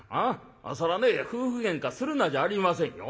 そらね夫婦げんかするなじゃありませんよ。